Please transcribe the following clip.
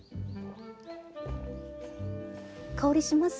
香りします？